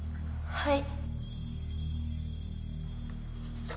はい。